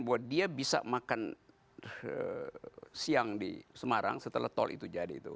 bahwa dia bisa makan siang di semarang setelah tol itu jadi itu